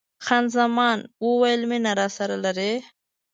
خان زمان وویل: مینه راسره لرې؟